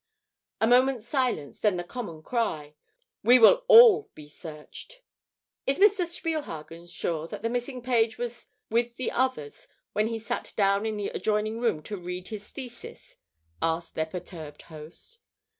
A moment's silence, then the common cry: "We will all be searched." "Is Mr. Spielhagen sure that the missing page was with the others when he sat down in the adjoining room to read his thesis?" asked their perturbed host.